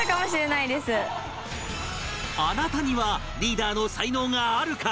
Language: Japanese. あなたにはリーダーの才能があるか？